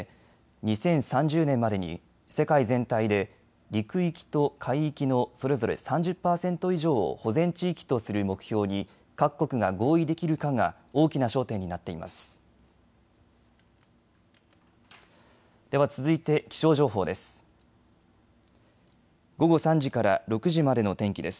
２０３０年までに世界全体で陸域と海域のそれぞれ３０％以上を保全地域とする目標に各国が合意できるかが大きな焦点になっています。